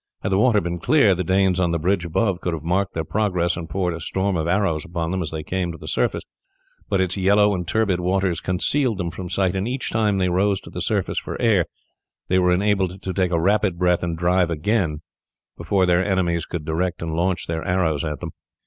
Had the water been clear, the Danes on the bridge above could have marked their progress and poured a storm of arrows upon them as they came to the surface; but its yellow and turbid waters concealed them from sight, and each time they rose to the surface for air they were enabled to take a rapid breath and dive again before their enemies could direct and launch their arrows at them.